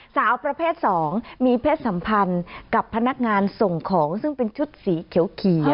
สาวประเภท๒มีเพศสัมพันธ์กับพนักงานส่งของซึ่งเป็นชุดสีเขียว